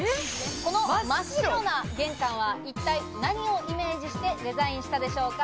この真っ白な玄関は一体何をイメージしてデザインしたでしょうか？